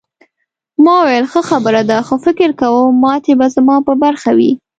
ما وویل ښه خبره ده خو فکر کوم ماتې به زما په برخه وي.